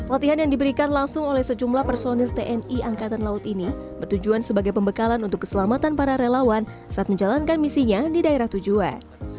latihan yang diberikan langsung oleh sejumlah personil tni angkatan laut ini bertujuan sebagai pembekalan untuk keselamatan para relawan saat menjalankan misinya di daerah tujuan